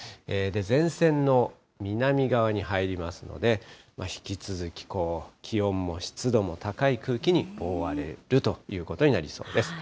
前線の南側に入りますので、引き続き気温も湿度も高い空気に覆われるということになりそうです。